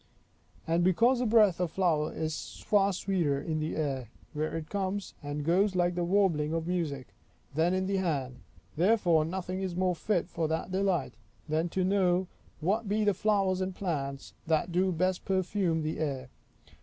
And because the breath of flowers is far sweeter in the air (where it comes and goes like the warbling of music) than in the hand, therefore nothing is more fit for that delight, than to know what be the flowers and plants that do best perfume the air.